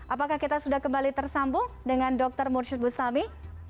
apakah kita sudah kembali tersambung dengan dr mursyid bustami